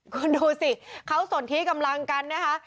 คุณดูสิเขาสนที่กำลังกันนะคะ